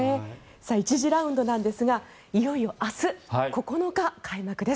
１次ラウンドなんですがいよいよ明日９日開幕です。